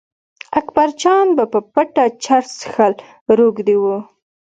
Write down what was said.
اکبرجان به په پټه چرس څښل روږدي و.